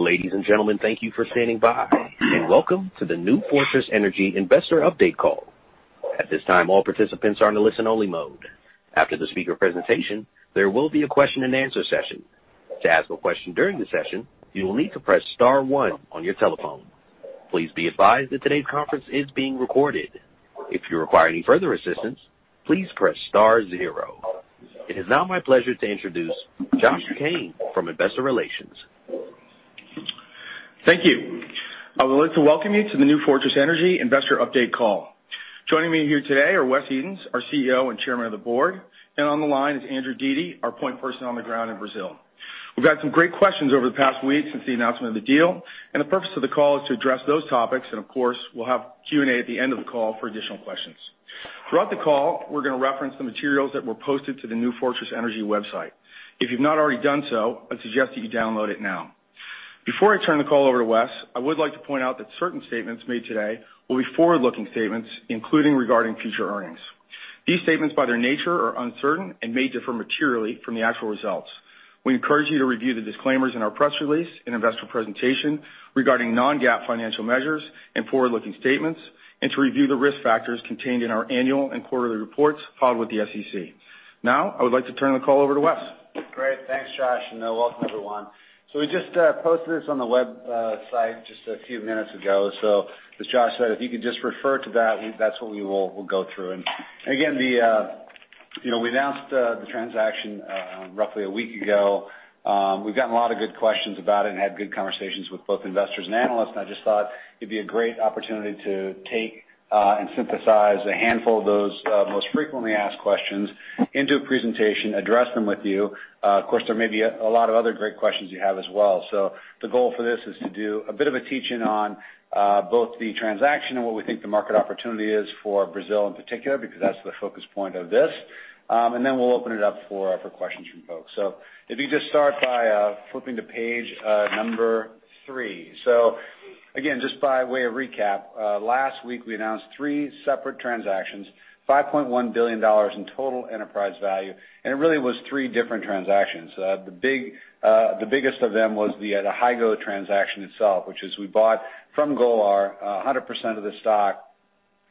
Ladies and gentlemen, thank you for standing by, and welcome to the New Fortress Energy investor update call. At this time, all participants are in a listen-only mode. After the speaker presentation, there will be a question-and-answer session. To ask a question during the session, you will need to press star one on your telephone. Please be advised that today's conference is being recorded. If you require any further assistance, please press star zero. It is now my pleasure to introduce Josh Kane from Investor Relations. Thank you. I would like to welcome you to the New Fortress Energy investor update call. Joining me here today are Wesley Edens, our CEO and chairman of the board, and on the line is Andrew Dete, our point person on the ground in Brazil. We've had some great questions over the past week since the announcement of the deal, and the purpose of the call is to address those topics, and of course, we'll have Q&A at the end of the call for additional questions. Throughout the call, we're going to reference the materials that were posted to the New Fortress Energy website. If you've not already done so, I suggest that you download it now. Before I turn the call over to Wes, I would like to point out that certain statements made today will be forward-looking statements, including regarding future earnings. These statements, by their nature, are uncertain and may differ materially from the actual results. We encourage you to review the disclaimers in our press release and investor presentation regarding non-GAAP financial measures and forward-looking statements, and to review the risk factors contained in our annual and quarterly reports filed with the SEC. Now, I would like to turn the call over to Wes. Great. Thanks, Josh, and welcome, everyone. So we just posted this on the website just a few minutes ago. So as Josh said, if you could just refer to that, that's what we will go through. And again, we announced the transaction roughly a week ago. We've gotten a lot of good questions about it and had good conversations with both investors and analysts. And I just thought it'd be a great opportunity to take and synthesize a handful of those most frequently asked questions into a presentation, address them with you. Of course, there may be a lot of other great questions you have as well. So the goal for this is to do a bit of a teaching on both the transaction and what we think the market opportunity is for Brazil in particular, because that's the focus point of this. And then we'll open it up for questions from folks. So if you could just start by flipping to page number three. So again, just by way of recap, last week we announced three separate transactions, $5.1 billion in total enterprise value, and it really was three different transactions. The biggest of them was the Hygo transaction itself, which is we bought from Golar 100% of the stock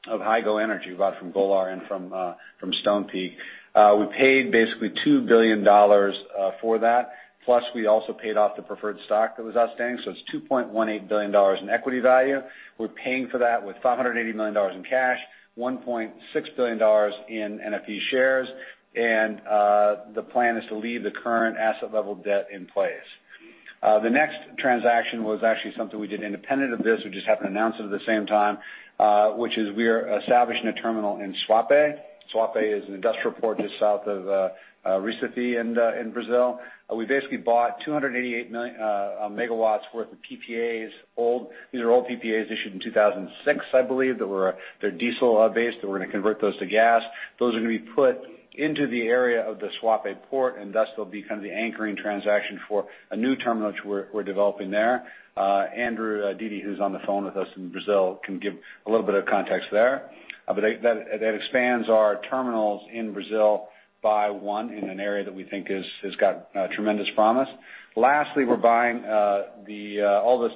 of Hygo Energy. We bought it from Golar and from Stonepeak. We paid basically $2 billion for that, plus we also paid off the preferred stock that was outstanding. So it's $2.18 billion in equity value. We're paying for that with $580 million in cash, $1.6 billion in NFE shares, and the plan is to leave the current asset-level debt in place. The next transaction was actually something we did independent of this. We just happened to announce it at the same time, which is we are establishing a terminal in Suape. Suape is an industrial port just south of Recife in Brazil. We basically bought 288 megawatts worth of PPAs. These are old PPAs issued in 2006, I believe, that were. They're diesel-based. They were going to convert those to gas. Those are going to be put into the area of the Suape port, and thus they'll be kind of the anchoring transaction for a new terminal which we're developing there. Andrew Dete, who's on the phone with us in Brazil, can give a little bit of context there. But that expands our terminals in Brazil by one in an area that we think has got tremendous promise. Lastly, we're buying all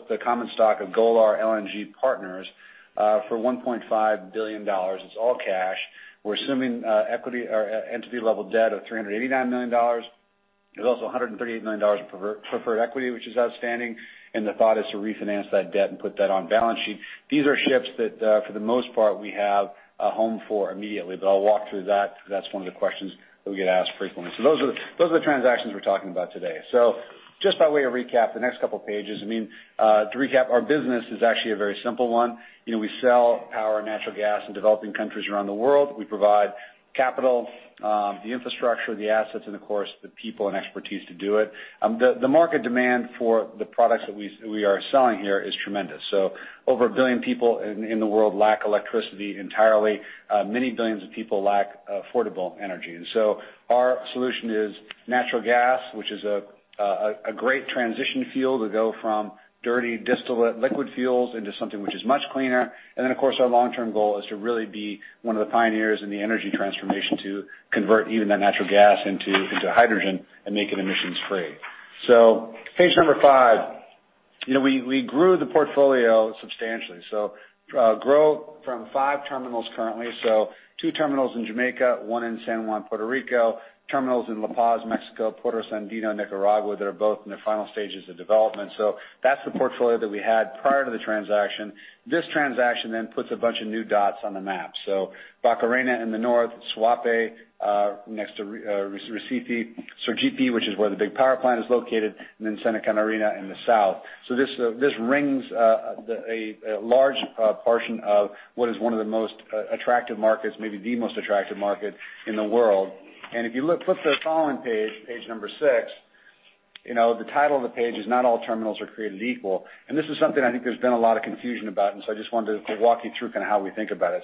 the common stock of Golar LNG Partners for $1.5 billion. It's all cash. We're assuming equity or entity-level debt of $389 million. There's also $138 million in preferred equity, which is outstanding, and the thought is to refinance that debt and put that on balance sheet. These are ships that, for the most part, we have a home for immediately, but I'll walk through that because that's one of the questions that we get asked frequently. So those are the transactions we're talking about today. So just by way of recap, the next couple of pages, I mean, to recap, our business is actually a very simple one. We sell power and natural gas in developing countries around the world. We provide capital, the infrastructure, the assets, and of course, the people and expertise to do it. The market demand for the products that we are selling here is tremendous. So over a billion people in the world lack electricity entirely. Many billions of people lack affordable energy. And so our solution is natural gas, which is a great transition fuel to go from dirty distillate liquid fuels into something which is much cleaner. And then, of course, our long-term goal is to really be one of the pioneers in the energy transformation to convert even that natural gas into hydrogen and make it emissions-free. So page number five, we grew the portfolio substantially. So growth from five terminals currently. So two terminals in Jamaica, one in San Juan, Puerto Rico, terminals in La Paz, Mexico, Puerto Sandino, Nicaragua that are both in the final stages of development. So that's the portfolio that we had prior to the transaction. This transaction then puts a bunch of new dots on the map. Barcarena in the north, Suape next to Recife, Sergipe, which is where the big power plant is located, and then Santa Catarina in the south. This rings a large portion of what is one of the most attractive markets, maybe the most attractive market in the world. If you flip to the following page, page number six, the title of the page is Not All Terminals Are Created Equal. This is something I think there's been a lot of confusion about, and so I just wanted to walk you through kind of how we think about it.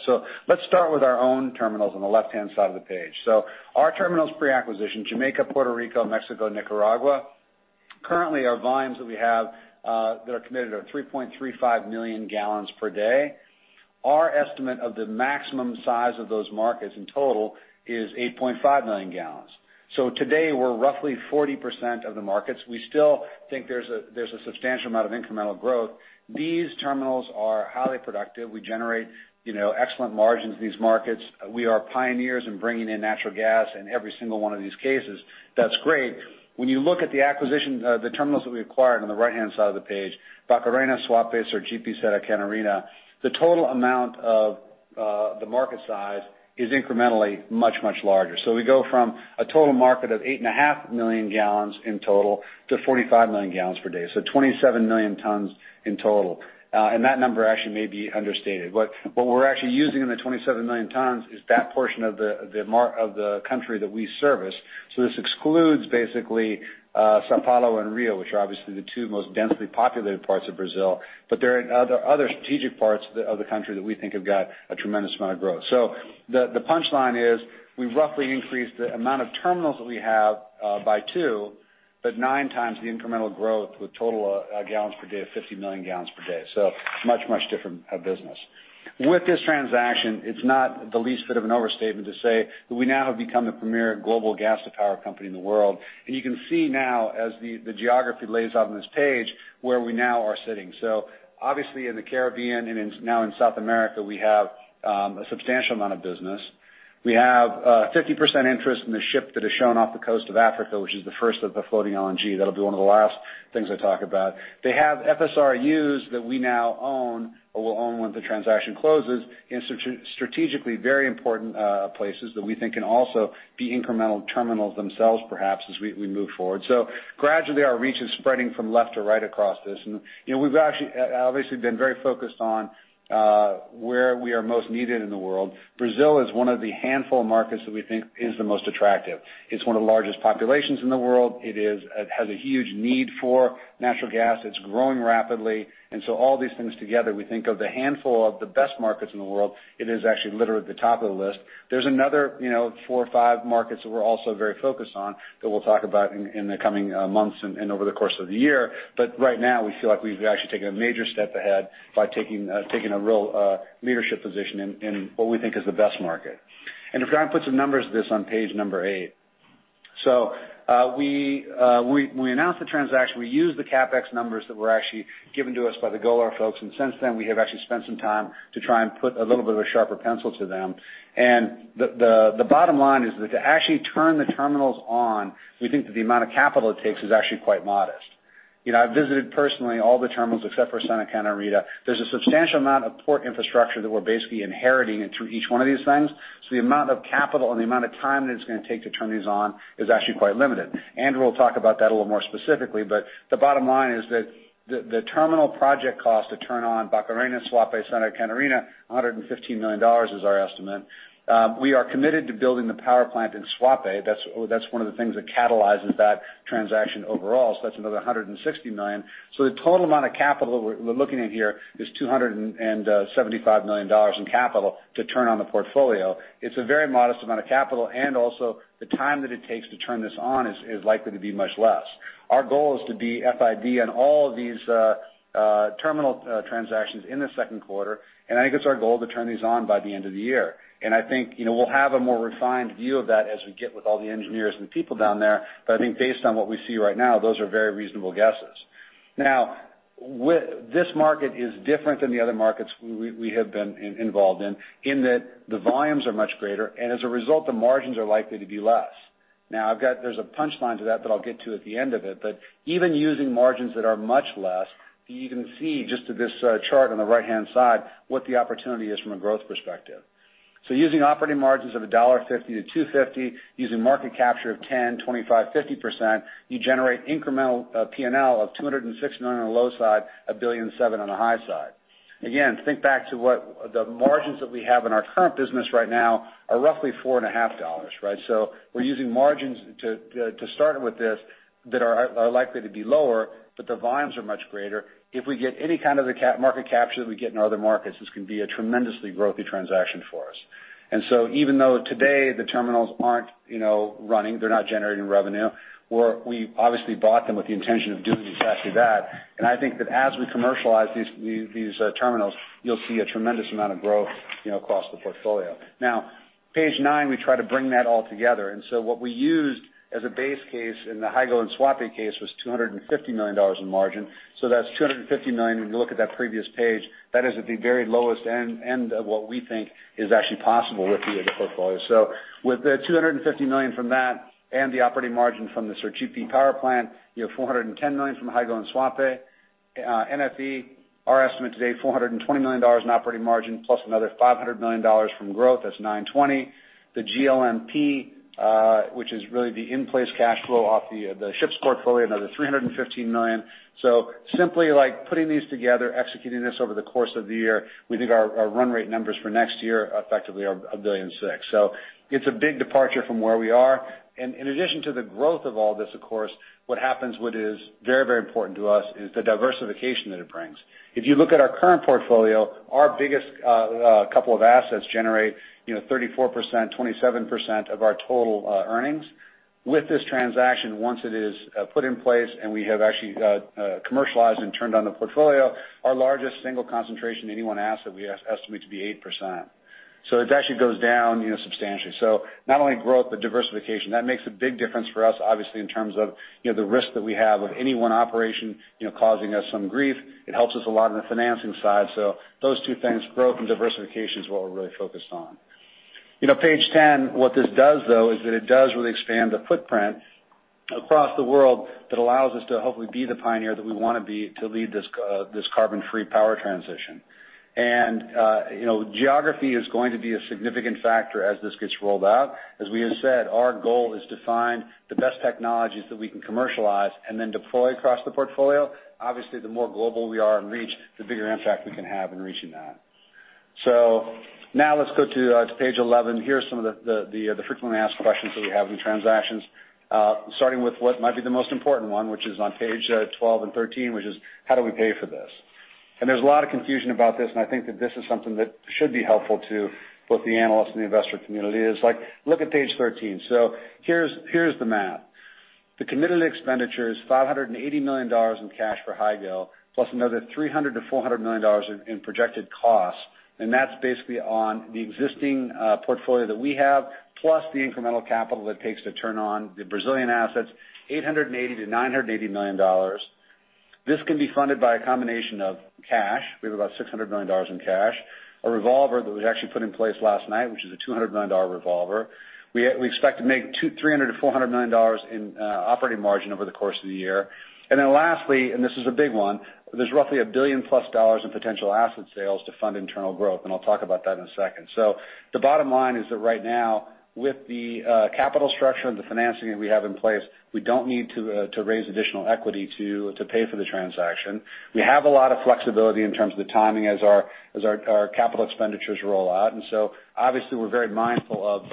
Let's start with our own terminals on the left-hand side of the page. Our terminals pre-acquisition, Jamaica, Puerto Rico, Mexico, Nicaragua. Currently, our volumes that we have that are committed are 3.35 million gallons per day. Our estimate of the maximum size of those markets in total is 8.5 million gallons. So today, we're roughly 40% of the markets. We still think there's a substantial amount of incremental growth. These terminals are highly productive. We generate excellent margins in these markets. We are pioneers in bringing in natural gas in every single one of these cases. That's great. When you look at the acquisition, the terminals that we acquired on the right-hand side of the page, Barcarena, Suape, Sergipe, Santa Catarina, the total amount of the market size is incrementally much, much larger. So we go from a total market of 8.5 million gallons in total to 45 million gallons per day. So 27 million tons in total. And that number actually may be understated. What we're actually using in the 27 million tons is that portion of the country that we service. So this excludes basically São Paulo and Rio, which are obviously the two most densely populated parts of Brazil, but there are other strategic parts of the country that we think have got a tremendous amount of growth. So the punchline is we've roughly increased the amount of terminals that we have by two, but nine times the incremental growth with total gallons per day of 50 million gallons per day. So much, much different business. With this transaction, it's not the least bit of an overstatement to say that we now have become the premier global gas-to-power company in the world. And you can see now as the geography lays out on this page where we now are sitting. So obviously, in the Caribbean and now in South America, we have a substantial amount of business. We have 50% interest in the ship that is shown off the coast of Africa, which is the first of the floating LNG. That'll be one of the last things I talk about. They have FSRUs that we now own or will own when the transaction closes in strategically very important places that we think can also be incremental terminals themselves, perhaps, as we move forward. So gradually, our reach is spreading from left to right across this. And we've actually obviously been very focused on where we are most needed in the world. Brazil is one of the handful of markets that we think is the most attractive. It's one of the largest populations in the world. It has a huge need for natural gas. It's growing rapidly. And so all these things together, we think of the handful of the best markets in the world. It is actually literally at the top of the list. There's another four or five markets that we're also very focused on that we'll talk about in the coming months and over the course of the year. But right now, we feel like we've actually taken a major step ahead by taking a real leadership position in what we think is the best market. And I'm trying to put some numbers of this on page number eight. So we announced the transaction. We used the CapEx numbers that were actually given to us by the Golar folks. And since then, we have actually spent some time to try and put a little bit of a sharper pencil to them. And the bottom line is that to actually turn the terminals on, we think that the amount of capital it takes is actually quite modest. I've visited personally all the terminals except for Santa Catarina. There's a substantial amount of port infrastructure that we're basically inheriting through each one of these things. So the amount of capital and the amount of time that it's going to take to turn these on is actually quite limited. Andrew will talk about that a little more specifically, but the bottom line is that the terminal project cost to turn on Barcarena, Suape, Santa Catarina, $115 million is our estimate. We are committed to building the power plant in Suape. That's one of the things that catalyzes that transaction overall. So that's another $160 million. So the total amount of capital that we're looking at here is $275 million in capital to turn on the portfolio. It's a very modest amount of capital, and also the time that it takes to turn this on is likely to be much less. Our goal is to be FID on all of these terminal transactions in the second quarter, and I think it's our goal to turn these on by the end of the year, and I think we'll have a more refined view of that as we get with all the engineers and the people down there, but I think based on what we see right now, those are very reasonable guesses. Now, this market is different than the other markets we have been involved in, in that the volumes are much greater, and as a result, the margins are likely to be less. Now, there's a punchline to that that I'll get to at the end of it, but even using margins that are much less, you can see just to this chart on the right-hand side what the opportunity is from a growth perspective. So using operating margins of $1.50-$2.50, using market capture of 10%, 25%, 50%, you generate incremental P&L of $206 million on the low side, $1.7 billion on the high side. Again, think back to what the margins that we have in our current business right now are roughly $4.50, right. So we're using margins to start with this that are likely to be lower, but the volumes are much greater. If we get any kind of the market capture that we get in other markets, this can be a tremendously growthy transaction for us. And so even though today the terminals aren't running, they're not generating revenue, we obviously bought them with the intention of doing exactly that. And I think that as we commercialize these terminals, you'll see a tremendous amount of growth across the portfolio. Now, page nine, we try to bring that all together. And so what we used as a base case in the Hygo and Suape case was $250 million in margin. So that's $250 million. When you look at that previous page, that is at the very lowest end of what we think is actually possible with the portfolio. So with the $250 million from that and the operating margin from the Sergipe power plant, you have $410 million from Hygo and Suape. NFE, our estimate today, $420 million in operating margin, plus another $500 million from growth. That's $920. The GMLP, which is really the in-place cash flow off the ships portfolio, another $315 million. So simply putting these together, executing this over the course of the year, we think our run rate numbers for next year effectively are $1.6 billion. So it's a big departure from where we are. In addition to the growth of all this, of course, what happens, what is very, very important to us, is the diversification that it brings. If you look at our current portfolio, our biggest couple of assets generate 34%, 27% of our total earnings. With this transaction, once it is put in place and we have actually commercialized and turned on the portfolio, our largest single concentration in any one asset we estimate to be 8%. So it actually goes down substantially. So not only growth, but diversification. That makes a big difference for us, obviously, in terms of the risk that we have of any one operation causing us some grief. It helps us a lot on the financing side. So those two things, growth and diversification, is what we're really focused on. Page 10, what this does, though, is that it does really expand the footprint across the world that allows us to hopefully be the pioneer that we want to be to lead this carbon-free power transition, and geography is going to be a significant factor as this gets rolled out. As we have said, our goal is to find the best technologies that we can commercialize and then deploy across the portfolio. Obviously, the more global we are in reach, the bigger impact we can have in reaching that, so now let's go to Page 11. Here are some of the frequently asked questions that we have in the transactions, starting with what might be the most important one, which is on Page 12 and 13, which is how do we pay for this? And there's a lot of confusion about this, and I think that this is something that should be helpful to both the analysts and the investor community. It's like, look at page 13. So here's the math. The committed expenditures, $580 million in cash for Hygo, plus another $300 million-$400 million in projected costs. And that's basically on the existing portfolio that we have, plus the incremental capital that it takes to turn on the Brazilian assets, $880 million-$980 million. This can be funded by a combination of cash. We have about $600 million in cash. A revolver that was actually put in place last night, which is a $200 million revolver. We expect to make $300 million-$400 million in operating margin over the course of the year. And then lastly, and this is a big one, there's roughly $1 billion+ in potential asset sales to fund internal growth. And I'll talk about that in a second. So the bottom line is that right now, with the capital structure and the financing that we have in place, we don't need to raise additional equity to pay for the transaction. We have a lot of flexibility in terms of the timing as our capital expenditures roll out. And so obviously, we're very mindful of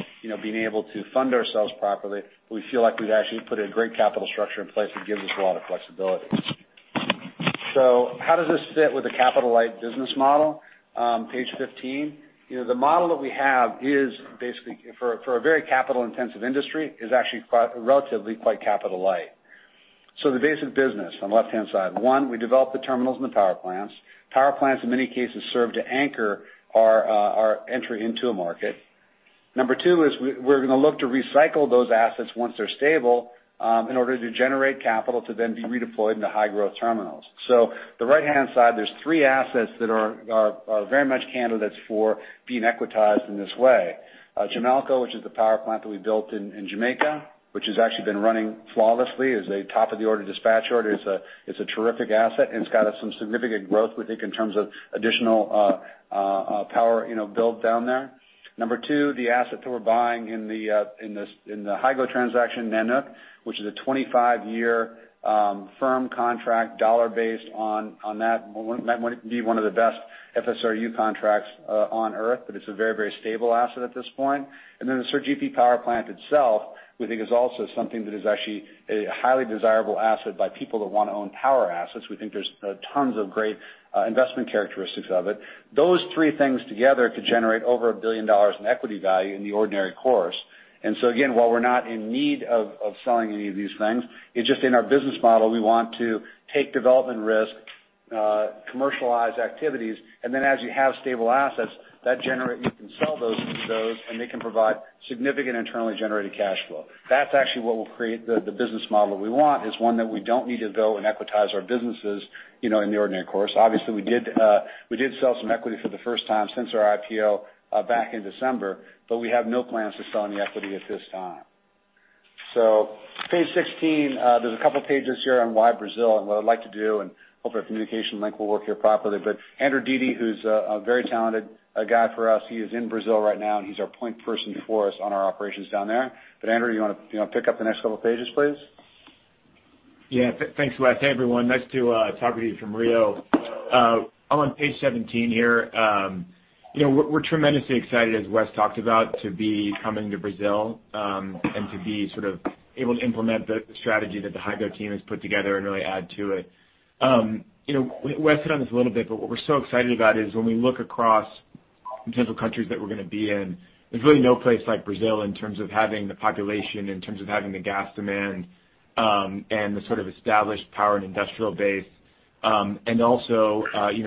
being able to fund ourselves properly, but we feel like we've actually put a great capital structure in place that gives us a lot of flexibility. So how does this fit with a capital-light business model? Page 15. The model that we have is basically for a very capital-intensive industry, is actually relatively quite capital-light. So the basic business on the left-hand side. One, we develop the terminals and the power plants. Power plants, in many cases, serve to anchor our entry into a market. Number two is we're going to look to recycle those assets once they're stable in order to generate capital to then be redeployed into high-growth terminals. So the right-hand side, there's three assets that are very much candidates for being equitized in this way. Jamalco, which is the power plant that we built in Jamaica, which has actually been running flawlessly as a top-of-the-order dispatch order, is a terrific asset, and it's got some significant growth, we think, in terms of additional power build down there. Number two, the asset that we're buying in the Hygo transaction Nanook, which is a 25-year firm contract, dollar-based on that. It might be one of the best FSRU contracts on earth, but it's a very, very stable asset at this point. And then the Sergipe power plant itself, we think, is also something that is actually a highly desirable asset by people that want to own power assets. We think there's tons of great investment characteristics of it. Those three things together could generate over $1 billion in equity value in the ordinary course. And so again, while we're not in need of selling any of these things, it's just in our business model, we want to take development risk, commercialize activities, and then as you have stable assets, you can sell those, and they can provide significant internally generated cash flow. That's actually what will create the business model that we want, is one that we don't need to go and equitize our businesses in the ordinary course. Obviously, we did sell some equity for the first time since our IPO back in December, but we have no plans to sell any equity at this time, so Page 16, there's a couple of pages here on why Brazil and what I'd like to do, and hopefully, our communication link will work here properly, but Andrew Dete, who's a very talented guy for us, he is in Brazil right now, and he's our point person for us on our operations down there. But Andrew, do you want to pick up the next couple of pages, please? Yeah. Thanks, Wes. Hey, everyone. Nice to talk with you from Rio. I'm on Page 17 here. We're tremendously excited, as Wes talked about, to be coming to Brazil and to be sort of able to implement the strategy that the Hygo team has put together and really add to it. Wes hit on this a little bit, but what we're so excited about is when we look across potential countries that we're going to be in, there's really no place like Brazil in terms of having the population, in terms of having the gas demand, and the sort of established power and industrial base, and also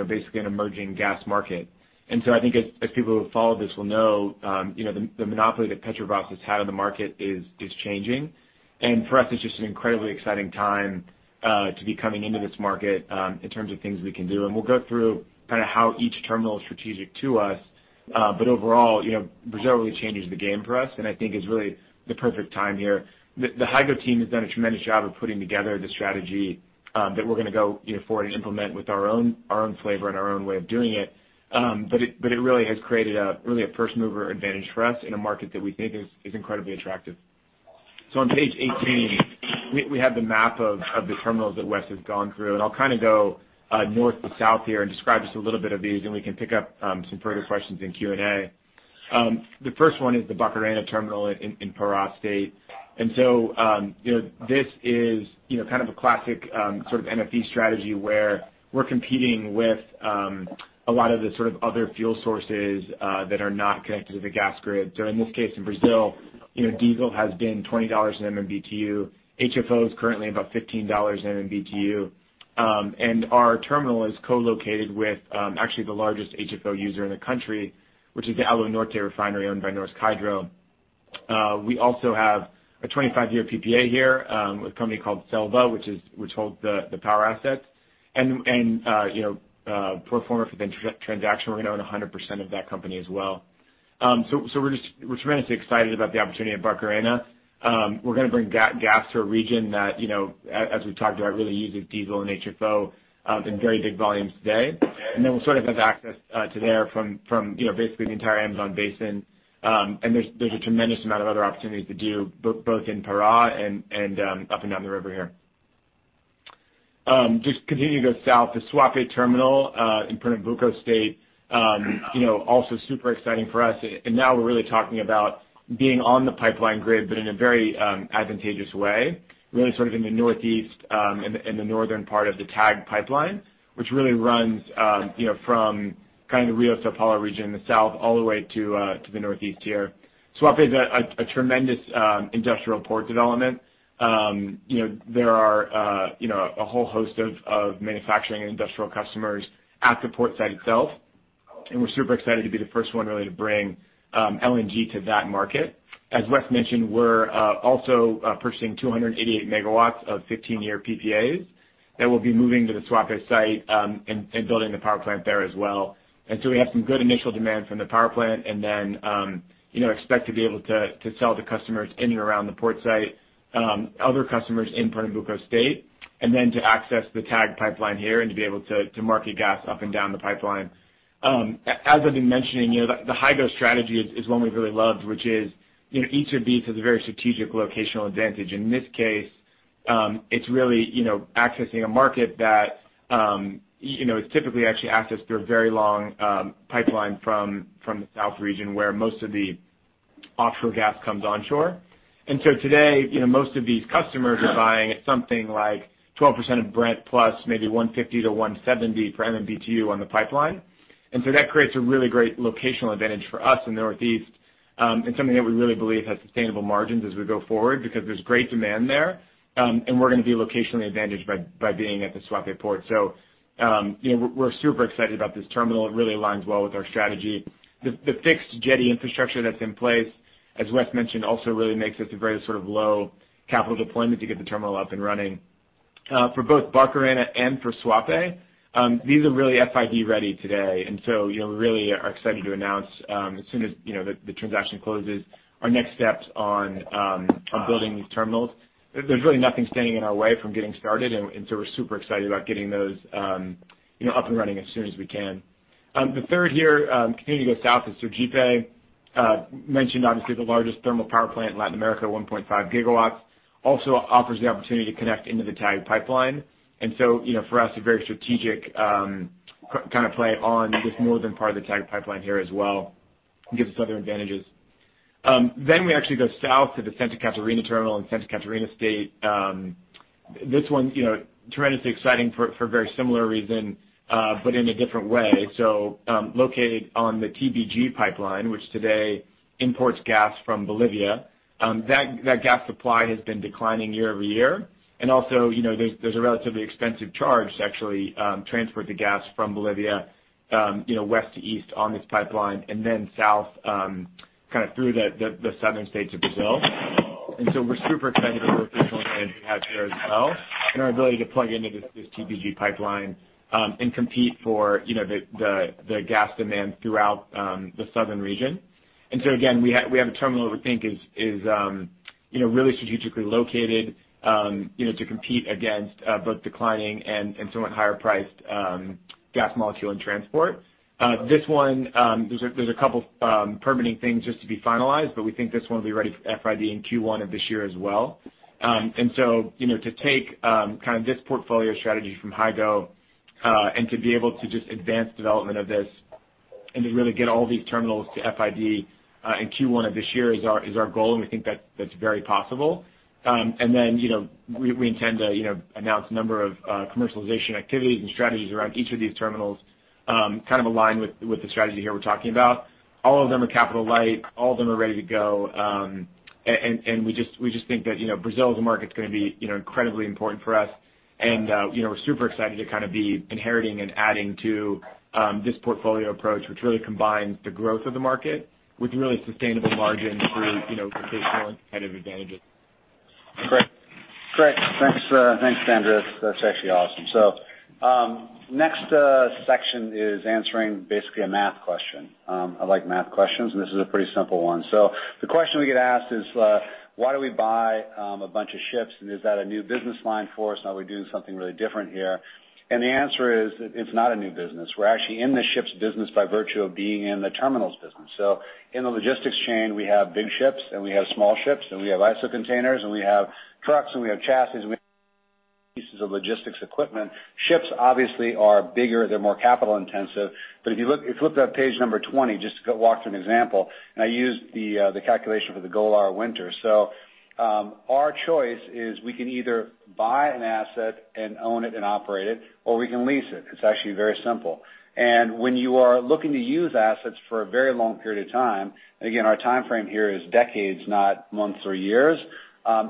basically an emerging gas market. And so I think as people who follow this will know, the monopoly that Petrobras has had on the market is changing, and for us, it's just an incredibly exciting time to be coming into this market in terms of things we can do, and we'll go through kind of how each terminal is strategic to us, but overall, Brazil really changes the game for us, and I think is really the perfect time here. The Hygo team has done a tremendous job of putting together the strategy that we're going to go forward and implement with our own flavor and our own way of doing it, but it really has created a first-mover advantage for us in a market that we think is incredibly attractive. So on page 18, we have the map of the terminals that Wes has gone through, and I'll kind of go north to south here and describe just a little bit of these, and we can pick up some further questions in Q&A. The first one is the Barcarena terminal in Pará State. And so this is kind of a classic sort of NFE strategy where we're competing with a lot of the sort of other fuel sources that are not connected to the gas grid. So in this case, in Brazil, diesel has been $20/MMBtu. HFO is currently about $15 per, and our terminal is co-located with actually the largest HFO user in the country, which is the Alunorte Refinery owned by Norsk Hydro. We also have a 25-year PPA here with a company called CELBA, which holds the power assets, and a pro forma for the transaction. We're going to own 100% of that company as well, so we're tremendously excited about the opportunity at Barcarena. We're going to bring gas to a region that, as we've talked about, really uses diesel and HFO in very big volumes today, and then we'll sort of have access to there from basically the entire Amazon Basin, and there's a tremendous amount of other opportunities to do, both in Pará and up and down the river here. Just continuing to go south, the Suape terminal in Pernambuco State is also super exciting for us. And now we're really talking about being on the pipeline grid, but in a very advantageous way, really sort of in the northeast and the northern part of the TAG pipeline, which really runs from kind of the São Paulo region in the south all the way to the northeast here. Suape is a tremendous industrial port development. There are a whole host of manufacturing and industrial customers at the port site itself, and we're super excited to be the first one really to bring LNG to that market. As Wes mentioned, we're also purchasing 288 megawatts of 15-year PPAs that will be moving to the Suape site and building the power plant there as well. And so we have some good initial demand from the power plant and then expect to be able to sell to customers in and around the port site, other customers in Pernambuco State, and then to access the TAG pipeline here and to be able to market gas up and down the pipeline. As I've been mentioning, the Hygo strategy is one we've really loved, which is each of these has a very strategic locational advantage. In this case, it's really accessing a market that is typically actually accessed through a very long pipeline from the south region where most of the offshore gas comes onshore. And so today, most of these customers are buying at something like 12% of Brent plus maybe 150-170 per MMBtu on the pipeline. And so that creates a really great locational advantage for us in the northeast and something that we really believe has sustainable margins as we go forward because there's great demand there, and we're going to be locationally advantaged by being at the Suape port. So we're super excited about this terminal. It really aligns well with our strategy. The fixed jetty infrastructure that's in place, as Wes mentioned, also really makes it a very sort of low capital deployment to get the terminal up and running. For both Barcarena and for Suape, these are really FID-ready today. And so we really are excited to announce, as soon as the transaction closes, our next steps on building these terminals. There's really nothing standing in our way from getting started, and so we're super excited about getting those up and running as soon as we can. The third here, continuing to go south, is Sergipe. Mentioned, obviously, the largest thermal power plant in Latin America, 1.5 gigawatts, also offers the opportunity to connect into the TAG pipeline. And so for us, a very strategic kind of play on this northern part of the TAG pipeline here as well gives us other advantages. Then we actually go south to the Santa Catarina terminal in Santa Catarina State. This one, tremendously exciting for a very similar reason, but in a different way. So located on the TBG pipeline, which today imports gas from Bolivia, that gas supply has been declining year-over-year. And also, there's a relatively expensive charge to actually transport the gas from Bolivia west to east on this pipeline, and then south kind of through the southern states of Brazil. And so we're super excited about the locational advantage we have here as well and our ability to plug into this TBG pipeline and compete for the gas demand throughout the southern region. And so again, we have a terminal that we think is really strategically located to compete against both declining and somewhat higher-priced gas molecule and transport. This one, there's a couple of permitting things just to be finalized, but we think this one will be ready for FID in Q1 of this year as well. And so to take kind of this portfolio strategy from Hygo and to be able to just advance development of this and to really get all these terminals to FID in Q1 of this year is our goal, and we think that's very possible. And then we intend to announce a number of commercialization activities and strategies around each of these terminals, kind of aligned with the strategy here we're talking about. All of them are capital-light. All of them are ready to go. And we just think that Brazil as a market is going to be incredibly important for us. And we're super excited to kind of be inheriting and adding to this portfolio approach, which really combines the growth of the market with really sustainable margins through locational and competitive advantages. Great. Great. Thanks, Andrew. That's actually awesome. So next section is answering basically a math question. I like math questions, and this is a pretty simple one. So the question we get asked is, "Why do we buy a bunch of ships, and is that a new business line for us? Are we doing something really different here?" And the answer is, it's not a new business. We're actually in the ships business by virtue of being in the terminals business. So in the logistics chain, we have big ships, and we have small ships, and we have ISO containers, and we have trucks, and we have chassis, and we have pieces of logistics equipment. Ships, obviously, are bigger. They're more capital-intensive. But if you look at page number 20, just to walk through an example, and I used the calculation for the Golar Winter. So our choice is we can either buy an asset and own it and operate it, or we can lease it. It's actually very simple. And when you are looking to use assets for a very long period of time, and again, our timeframe here is decades, not months or years,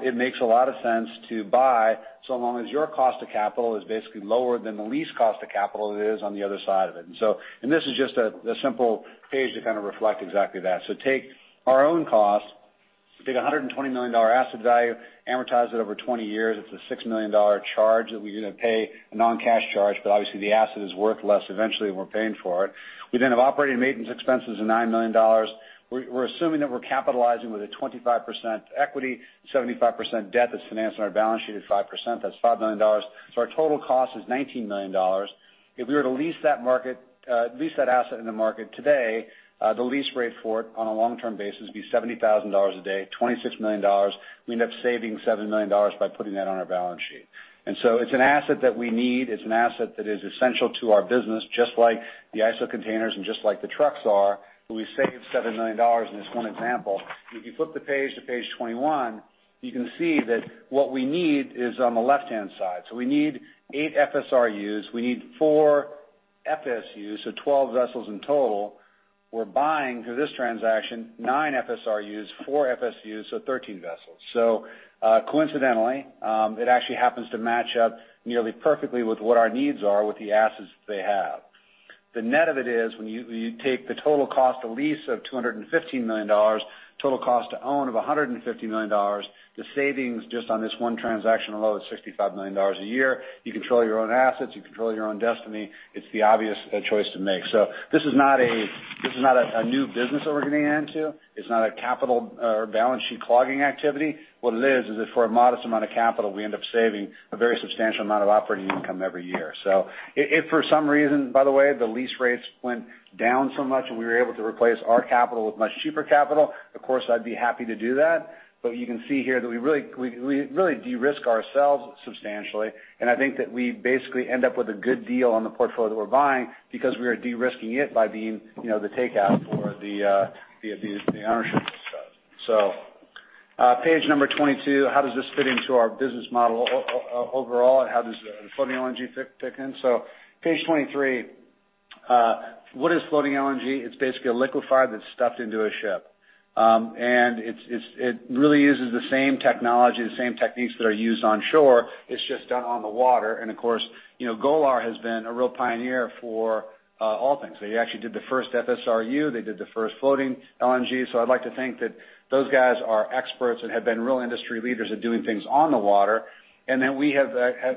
it makes a lot of sense to buy so long as your cost of capital is basically lower than the lease cost of capital that is on the other side of it. And this is just a simple page to kind of reflect exactly that. So take our own cost, take a $120 million asset value, amortize it over 20 years. It's a $6 million charge that we're going to pay, a non-cash charge, but obviously, the asset is worth less eventually than we're paying for it. We then have operating maintenance expenses of $9 million. We're assuming that we're capitalizing with a 25% equity, 75% debt that's financed on our balance sheet at 5%. That's $5 million. So our total cost is $19 million. If we were to lease that asset in the market today, the lease rate for it on a long-term basis would be $70,000 a day, $26 million. We end up saving $7 million by putting that on our balance sheet. And so it's an asset that we need. It's an asset that is essential to our business, just like the ISO containers and just like the trucks are. We saved $7 million, and it's one example. If you flip the page to page 21, you can see that what we need is on the left-hand side. So we need eight FSRUs. We need four FSUs, so 12 vessels in total. We're buying, through this transaction, nine FSRUs, four FSUs, so 13 vessels. So coincidentally, it actually happens to match up nearly perfectly with what our needs are with the assets that they have. The net of it is, when you take the total cost of lease of $215 million, total cost to own of $150 million, the savings just on this one transaction alone is $65 million a year. You control your own assets. You control your own destiny. It's the obvious choice to make. So this is not a new business that we're getting into. It's not a capital or balance sheet clogging activity. What it is, is that for a modest amount of capital, we end up saving a very substantial amount of operating income every year. So if for some reason, by the way, the lease rates went down so much and we were able to replace our capital with much cheaper capital, of course, I'd be happy to do that. But you can see here that we really de-risk ourselves substantially. And I think that we basically end up with a good deal on the portfolio that we're buying because we are de-risking it by being the takeout for the ownership of stuff. So page number 22, how does this fit into our business model overall, and how does the floating LNG fit in? So Page 23, what is floating LNG? It's basically liquefied natural gas that's stuffed into a ship. And it really uses the same technology, the same techniques that are used onshore. It's just done on the water. And of course, Golar has been a real pioneer for all things. They actually did the first FSRU. They did the first floating LNG. So I'd like to think that those guys are experts and have been real industry leaders at doing things on the water. And then we have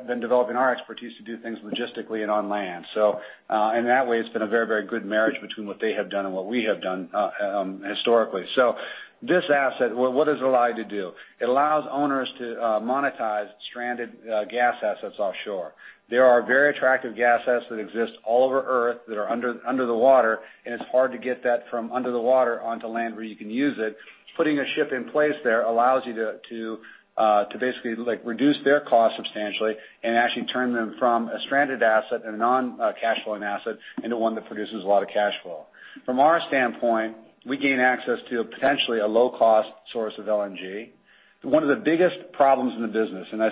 been developing our expertise to do things logistically and on land. So in that way, it's been a very, very good marriage between what they have done and what we have done historically. So this asset, what does it allow you to do? It allows owners to monetize stranded gas assets offshore. There are very attractive gas assets that exist all over Earth that are under the water, and it's hard to get that from under the water onto land where you can use it. Putting a ship in place there allows you to basically reduce their cost substantially and actually turn them from a stranded asset, a non-cash flowing asset, into one that produces a lot of cash flow. From our standpoint, we gain access to potentially a low-cost source of LNG. One of the biggest problems in the business, and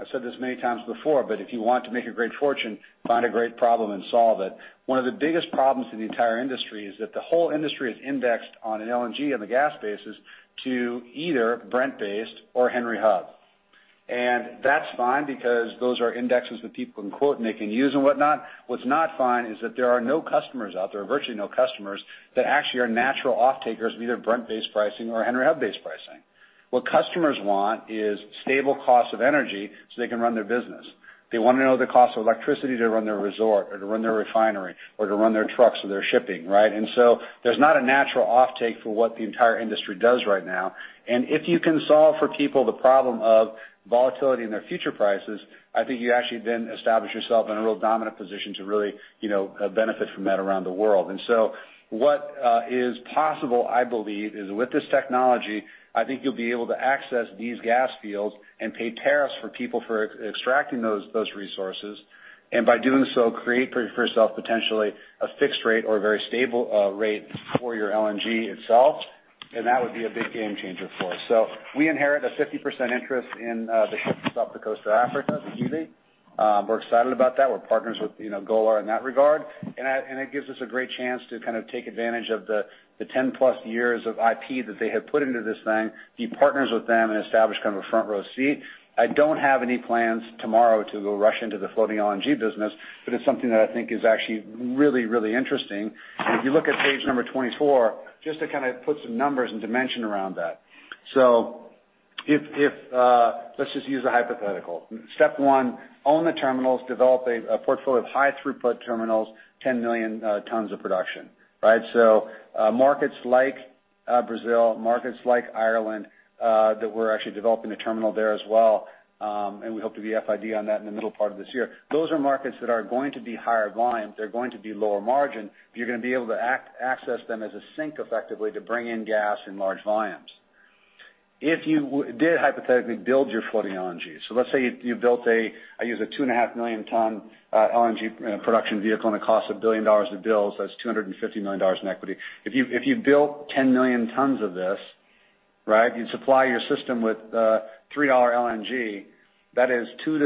I've said this many times before, but if you want to make a great fortune, find a great problem and solve it. One of the biggest problems in the entire industry is that the whole industry is indexed on LNG and the gas basis to either Brent-based or Henry Hub. And that's fine because those are indexes that people can quote and they can use and whatnot. What's not fine is that there are no customers out there, virtually no customers, that actually are natural off-takers of either Brent-based pricing or Henry Hub-based pricing. What customers want is stable costs of energy so they can run their business. They want to know the cost of electricity to run their resort or to run their refinery or to run their trucks or their shipping, right? And so there's not a natural off-take for what the entire industry does right now. And if you can solve for people the problem of volatility in their future prices, I think you actually then establish yourself in a real dominant position to really benefit from that around the world. And so what is possible, I believe, is with this technology. I think you'll be able to access these gas fields and pay tariffs for people for extracting those resources. And by doing so, create for yourself potentially a fixed rate or a very stable rate for your LNG itself. And that would be a big game changer for us. So we inherit a 50% interest in the ships to South America to Africa, the JV. We're excited about that. We're partners with Golar in that regard. It gives us a great chance to kind of take advantage of the 10+ years of IP that they have put into this thing, be partners with them, and establish kind of a front-row seat. I don't have any plans tomorrow to go rush into the floating LNG business, but it's something that I think is actually really, really interesting. If you look at page number 24, just to kind of put some numbers and dimension around that. Let's just use a hypothetical. Step one, own the terminals, develop a portfolio of high-throughput terminals, 10 million tons of production, right? Markets like Brazil, markets like Ireland that we're actually developing a terminal there as well. We hope to be FID on that in the middle part of this year. Those are markets that are going to be higher volume. They're going to be lower margin. You're going to be able to access them as a sink effectively to bring in gas in large volumes. If you did hypothetically build your floating LNG, so let's say you built a, I use a 2.5 million ton LNG production vehicle and it costs $1 billion to build, so that's $250 million in equity. If you build 10 million tons of this, right, you'd supply your system with $3 LNG. That is $2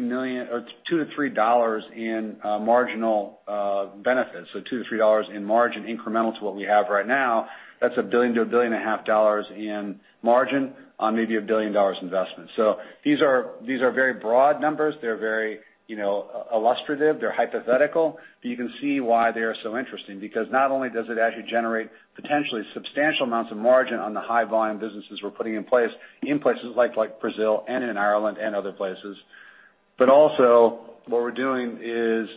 million-$3 million or $2-$3 in marginal benefits. So $2-$3 in margin incremental to what we have right now. That's $1 billion-$1.5 billion in margin on maybe a $1 billion investment. So these are very broad numbers. They're very illustrative. They're hypothetical. But you can see why they are so interesting because not only does it actually generate potentially substantial amounts of margin on the high-volume businesses we're putting in place in places like Brazil and in Ireland and other places, but also what we're doing is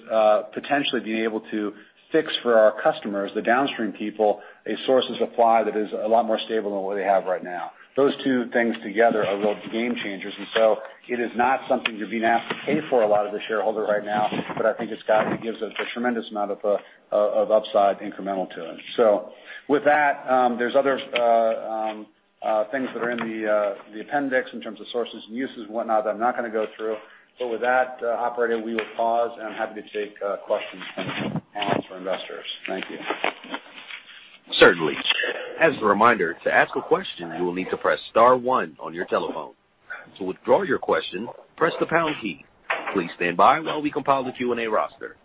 potentially being able to fix for our customers, the downstream people, a source of supply that is a lot more stable than what they have right now. Those two things together are real game changers. And so it is not something you're being asked to pay for a lot of the shareholder right now, but I think it gives a tremendous amount of upside incremental to it. So with that, there's other things that are in the appendix in terms of sources and uses and whatnot that I'm not going to go through. But with that, operator, we will pause, and I'm happy to take questions and answer investors. Thank you. Certainly. As a reminder, to ask a question, you will need to press star one on your telephone. To withdraw your question, press the pound key. Please stand by while we compile the Q&A roster.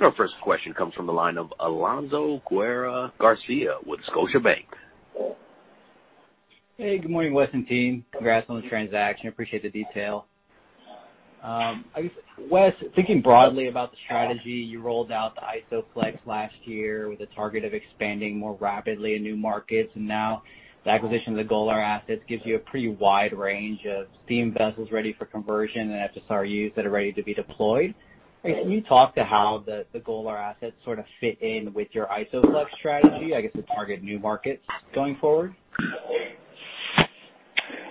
Our first question comes from the line of Alonso Guerra-Garcia with Scotiabank. Hey, good morning, Wes and team. Congrats on the transaction. Appreciate the detail. I guess, Wes, thinking broadly about the strategy, you rolled out the ISO Flex last year with a target of expanding more rapidly in new markets. And now the acquisition of the Golar assets gives you a pretty wide range of steam vessels ready for conversion and FSRUs that are ready to be deployed. Can you talk to how the Golar assets sort of fit in with your ISO Flex strategy, I guess, to target new markets going forward?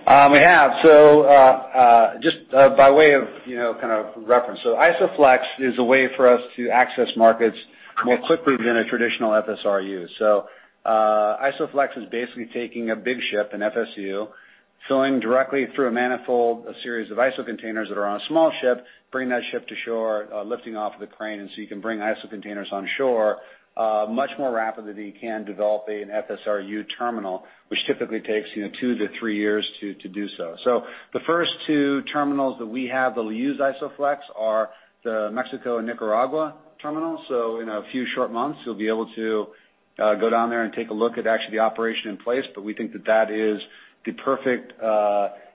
We have. So just by way of kind of reference, so ISO Flex is a way for us to access markets more quickly than a traditional FSRU. So ISO Flex is basically taking a big ship, an FSU, filling directly through a manifold, a series of ISO containers that are on a small ship, bringing that ship to shore, lifting off of the crane, and so you can bring ISO containers on shore much more rapidly than you can develop an FSRU terminal, which typically takes two to three years to do so. So the first two terminals that we have that will use ISO Flex are the Mexico and Nicaragua terminals. So in a few short months, you'll be able to go down there and take a look at actually the operation in place. But we think that that is the perfect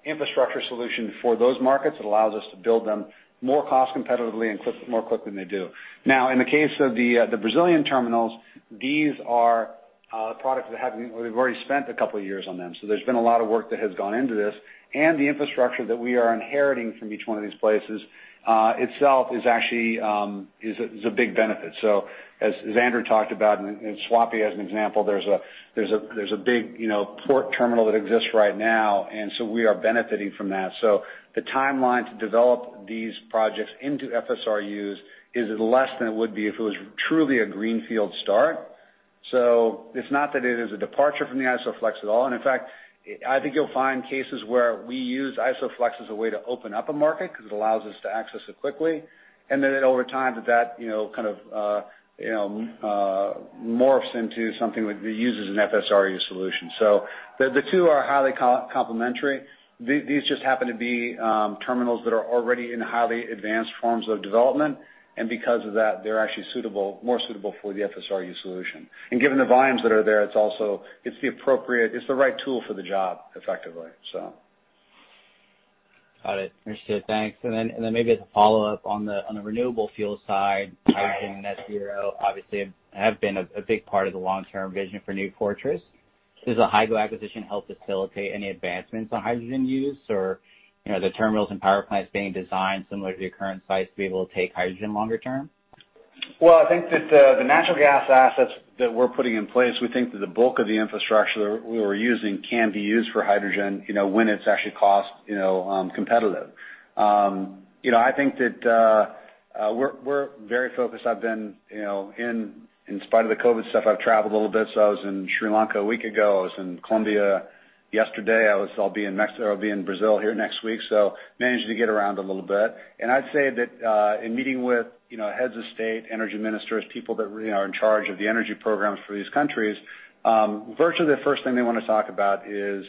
infrastructure solution for those markets. It allows us to build them more cost competitively and more quickly than they do. Now, in the case of the Brazilian terminals, these are products that have already spent a couple of years on them. So there's been a lot of work that has gone into this. And the infrastructure that we are inheriting from each one of these places itself is actually a big benefit. So as Andrew talked about, and Suape as an example, there's a big port terminal that exists right now. And so we are benefiting from that. So the timeline to develop these projects into FSRUs is less than it would be if it was truly a greenfield start. So it's not that it is a departure from the ISO Flex at all. And in fact, I think you'll find cases where we use ISO Flex as a way to open up a market because it allows us to access it quickly. And then over time, that kind of morphs into something that uses an FSRU solution. So the two are highly complementary. These just happen to be terminals that are already in highly advanced forms of development. And because of that, they're actually more suitable for the FSRU solution. And given the volumes that are there, it's the right tool for the job, effectively, so. Got it. Understood. Thanks. And then maybe as a follow-up on the renewable fuel side, hydrogen and net zero obviously have been a big part of the long-term vision for New Fortress. Does the Hygo acquisition help facilitate any advancements on hydrogen use or the terminals and power plants being designed similar to your current sites to be able to take hydrogen longer term? Well, I think that the natural gas assets that we're putting in place, we think that the bulk of the infrastructure that we're using can be used for hydrogen when it's actually cost competitive. I think that we're very focused. I've been, in spite of the COVID stuff, I've traveled a little bit. So I was in Sri Lanka a week ago. I was in Colombia yesterday. I'll be in Mexico. I'll be in Brazil here next week. So managed to get around a little bit. And I'd say that in meeting with heads of state, energy ministers, people that are in charge of the energy programs for these countries, virtually the first thing they want to talk about is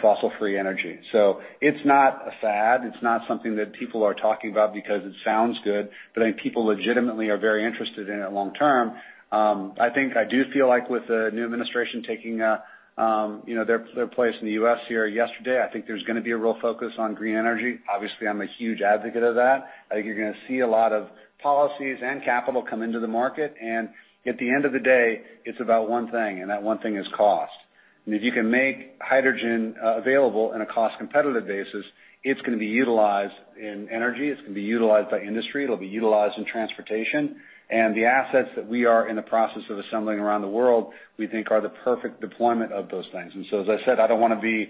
fossil-free energy. So it's not a fad. It's not something that people are talking about because it sounds good. But I think people legitimately are very interested in it long-term. I think I do feel like with the new administration taking their place in the U.S. here yesterday, I think there's going to be a real focus on green energy. Obviously, I'm a huge advocate of that. I think you're going to see a lot of policies and capital come into the market. And at the end of the day, it's about one thing. And that one thing is cost. And if you can make hydrogen available in a cost competitive basis, it's going to be utilized in energy. It's going to be utilized by industry. It'll be utilized in transportation. And the assets that we are in the process of assembling around the world, we think are the perfect deployment of those things. And so, as I said, I don't want to be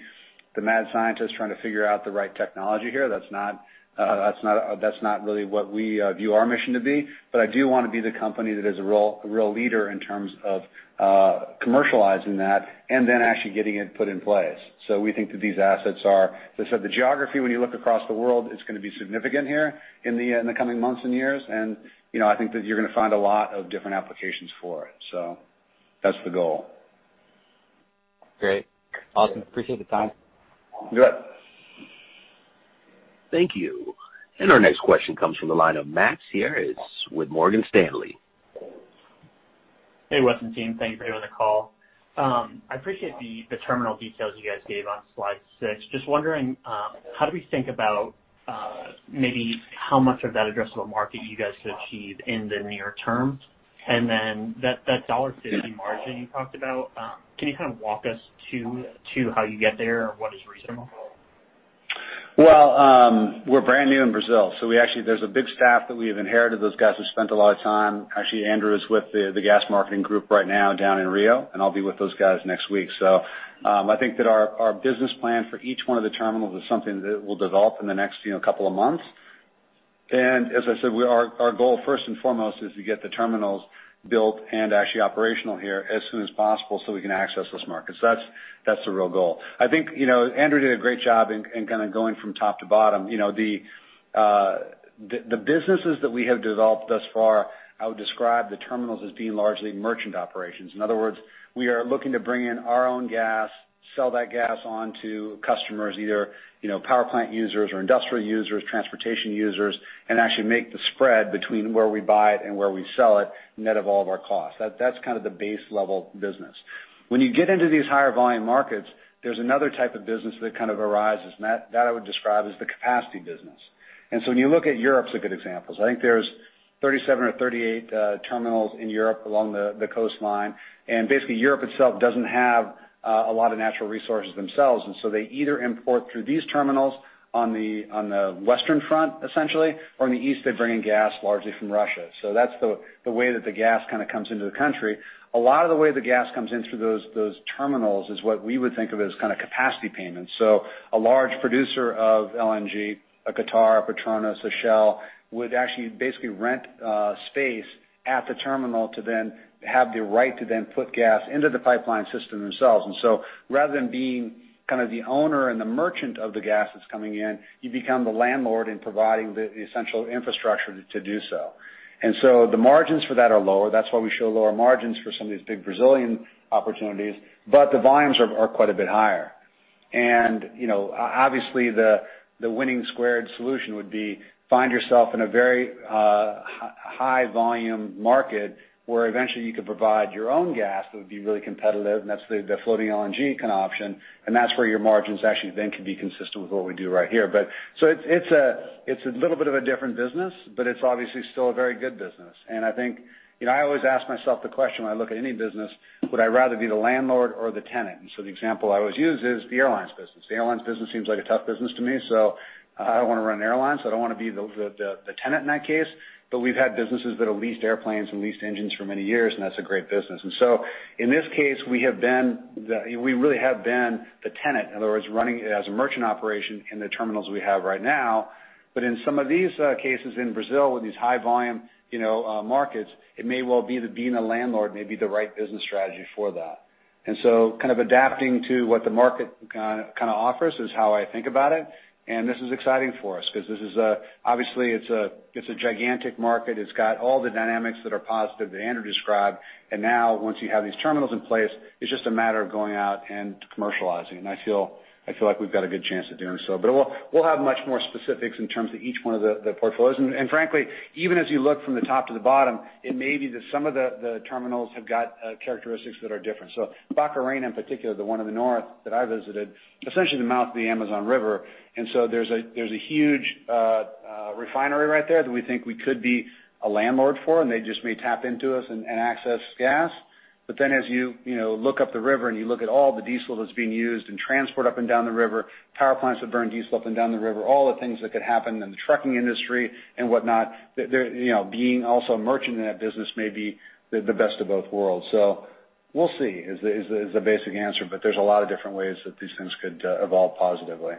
the mad scientist trying to figure out the right technology here. That's not really what we view our mission to be. But I do want to be the company that is a real leader in terms of commercializing that and then actually getting it put in place. So we think that these assets are the geography when you look across the world, it's going to be significant here in the coming months and years. And I think that you're going to find a lot of different applications for it. So that's the goal. Great. Awesome. Appreciate the time. You bet. Thank you. And our next question comes from the line of Max Yates with Morgan Stanley. Hey, Wes and team. Thank you for doing the call. I appreciate the terminal details you guys gave on slide six. Just wondering, how do we think about maybe how much of that addressable market you guys could achieve in the near term? And then that $50 margin you talked about, can you kind of walk us to how you get there or what is reasonable? Well, we're brand new in Brazil. So there's a big staff that we have inherited. Those guys have spent a lot of time. Actually, Andrew is with the gas marketing group right now down in Rio, and I'll be with those guys next week. So I think that our business plan for each one of the terminals is something that we'll develop in the next couple of months. And as I said, our goal first and foremost is to get the terminals built and actually operational here as soon as possible so we can access those markets. That's the real goal. I think Andrew did a great job in kind of going from top to bottom. The businesses that we have developed thus far, I would describe the terminals as being largely merchant operations. In other words, we are looking to bring in our own gas, sell that gas onto customers, either power plant users or industrial users, transportation users, and actually make the spread between where we buy it and where we sell it net of all of our costs. That's kind of the base level business. When you get into these higher volume markets, there's another type of business that kind of arises. And that I would describe as the capacity business. And so when you look at Europe, it's a good example. So I think there's 37 or 38 terminals in Europe along the coastline. And basically, Europe itself doesn't have a lot of natural resources themselves. And so they either import through these terminals on the western front, essentially, or in the east, they're bringing gas largely from Russia. So that's the way that the gas kind of comes into the country. A lot of the way the gas comes in through those terminals is what we would think of as kind of capacity payments. So a large producer of LNG, a Qatar, a Petronas, a Shell, would actually basically rent space at the terminal to then have the right to then put gas into the pipeline system themselves. And so rather than being kind of the owner and the merchant of the gas that's coming in, you become the landlord in providing the essential infrastructure to do so. And so the margins for that are lower. That's why we show lower margins for some of these big Brazilian opportunities. But the volumes are quite a bit higher. Obviously, the winning squared solution would be find yourself in a very high volume market where eventually you can provide your own gas that would be really competitive. And that's the floating LNG kind of option. And that's where your margins actually then could be consistent with what we do right here. So it's a little bit of a different business, but it's obviously still a very good business. And I think I always ask myself the question when I look at any business, would I rather be the landlord or the tenant? And so the example I always use is the airlines business. The airlines business seems like a tough business to me. So I don't want to run airlines. I don't want to be the tenant in that case. We've had businesses that have leased airplanes and leased engines for many years, and that's a great business. And so in this case, we really have been the tenant, in other words, running as a merchant operation in the terminals we have right now. But in some of these cases in Brazil with these high volume markets, it may well be that being a landlord may be the right business strategy for that. And so kind of adapting to what the market kind of offers is how I think about it. And this is exciting for us because this is obviously a gigantic market. It's got all the dynamics that are positive that Andrew described. And now, once you have these terminals in place, it's just a matter of going out and commercializing. And I feel like we've got a good chance of doing so. But we'll have much more specifics in terms of each one of the portfolios. And frankly, even as you look from the top to the bottom, it may be that some of the terminals have got characteristics that are different. So Barcarena in particular, the one in the north that I visited, essentially the mouth of the Amazon River. And so there's a huge refinery right there that we think we could be a landlord for, and they just may tap into us and access gas. But then as you look up the river and you look at all the diesel that's being used and transport up and down the river, power plants that burn diesel up and down the river, all the things that could happen in the trucking industry and whatnot, being also a merchant in that business may be the best of both worlds. So we'll see is the basic answer. But there's a lot of different ways that these things could evolve positively.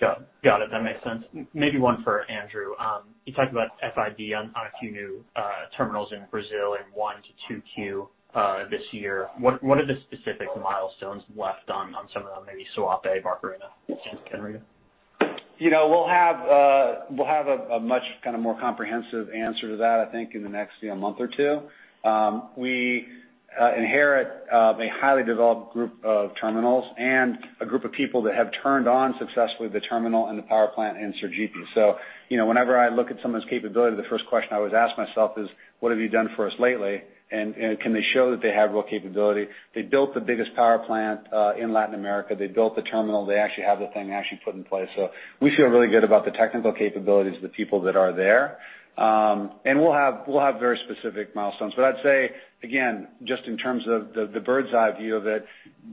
Got it. That makes sense. Maybe one for Andrew. You talked about FID on a few new terminals in Brazil and 1Q to 2Q this year. What are the specific milestones left on some of them, maybe Suape, Barcarena, Santa Catarina? We'll have a much kind of more comprehensive answer to that, I think, in the next month or two. We inherit a highly developed group of terminals and a group of people that have turned on successfully the terminal and the power plant in Sergipe. So whenever I look at someone's capability, the first question I always ask myself is, what have you done for us lately? And can they show that they have real capability? They built the biggest power plant in Latin America. They built the terminal. They actually have the thing actually put in place, so we feel really good about the technical capabilities of the people that are there, and we'll have very specific milestones, but I'd say, again, just in terms of the bird's eye view of it,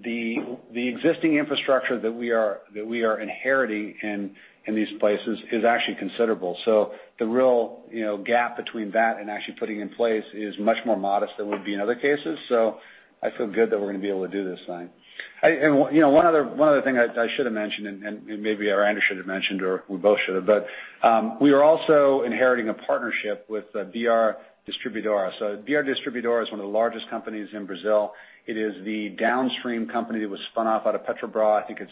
the existing infrastructure that we are inheriting in these places is actually considerable, so the real gap between that and actually putting in place is much more modest than would be in other cases, so I feel good that we're going to be able to do this thing, and one other thing I should have mentioned, and maybe our Andrew should have mentioned, or we both should have, but we are also inheriting a partnership with BR Distribuidora, so BR Distribuidora is one of the largest companies in Brazil. It is the downstream company that was spun off out of Petrobras. I think it's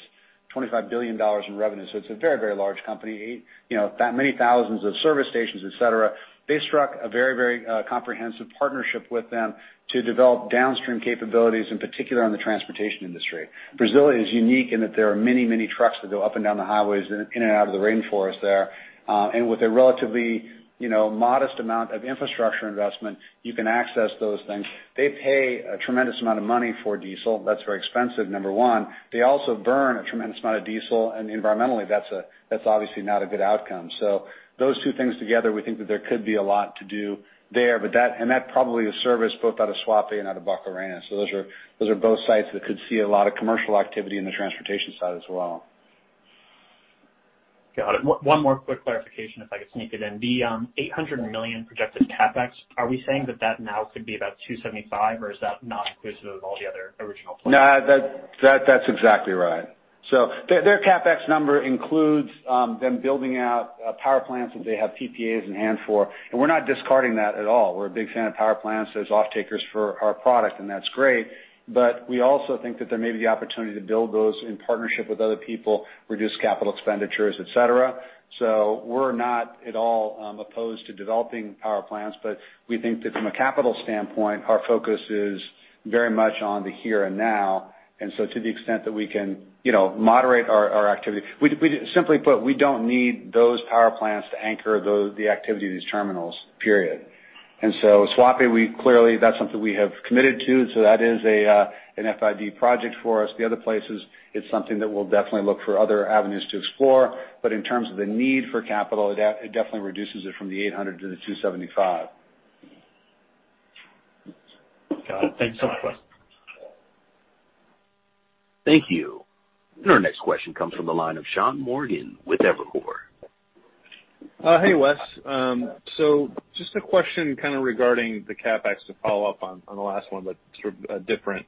$25 billion in revenue. So it's a very, very large company. That many thousands of service stations, et cetera, they struck a very, very comprehensive partnership with them to develop downstream capabilities, in particular on the transportation industry. Brazil is unique in that there are many, many trucks that go up and down the highways and in and out of the rainforest there. And with a relatively modest amount of infrastructure investment, you can access those things. They pay a tremendous amount of money for diesel. That's very expensive, number one. They also burn a tremendous amount of diesel. And environmentally, that's obviously not a good outcome. So those two things together, we think that there could be a lot to do there. And that probably is service both out of Suape and out of Barcarena. So those are both sites that could see a lot of commercial activity in the transportation side as well. Got it. One more quick clarification, if I could sneak it in. The $800 million projected CapEx, are we saying that that now could be about $275 million, or is that not inclusive of all the other original plans? No, that's exactly right. So their CapEx number includes them building out power plants that they have PPAs in hand for. And we're not discarding that at all. We're a big fan of power plants. There's off-takers for our product, and that's great. But we also think that there may be the opportunity to build those in partnership with other people, reduce capital expenditures, et cetera. So we're not at all opposed to developing power plants. But we think that from a capital standpoint, our focus is very much on the here and now. And so to the extent that we can moderate our activity, simply put, we don't need those power plants to anchor the activity of these terminals, period. And so Suape, clearly, that's something we have committed to. So that is an FID project for us. The other places, it's something that we'll definitely look for other avenues to explore. But in terms of the need for capital, it definitely reduces it from the $800 to the $275. Got it. Thank you so much, Wes. Thank you. And our next question comes from the line of Sean Morgan with Evercore. Hey, Wes. So just a question kind of regarding the CapEx to follow up on the last one, but sort of different.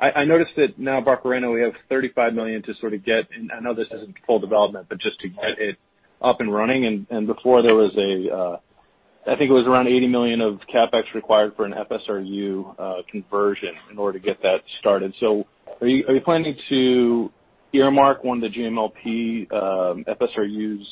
I noticed that now, Barcarena, we have $35 million to sort of get—and I know this isn't full development, but just to get it up and running. And before, there was a—I think it was around $80 million of CapEx required for an FSRU conversion in order to get that started. So are you planning to earmark one of the GMLP FSRUs